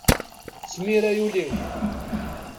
Smir ay ul-iw!